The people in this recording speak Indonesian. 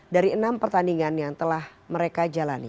dari enam pertandingan yang telah mereka jalani